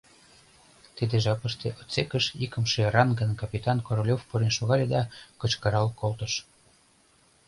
Тиде жапыште отсекыш икымше ранган капитан Королёв пурен шогале да кычкырал колтыш: